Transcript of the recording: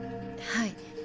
はい。